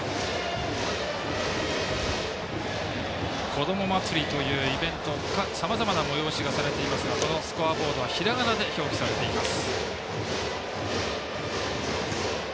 こどもまつりというイベントでさまざまな催しがされていますがこのスコアボードはひらがなで表記されています。